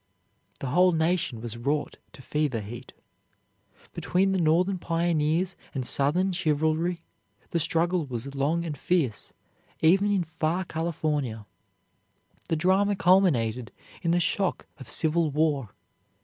The whole nation was wrought to fever heat. Between the Northern pioneers and Southern chivalry the struggle was long and fierce, even in far California. The drama culminated in the shock of civil war.